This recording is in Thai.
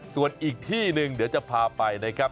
ส่วนอีกที่หนึ่งเดี๋ยวจะพาไปนะครับ